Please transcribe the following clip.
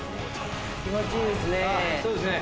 気持ちいいですね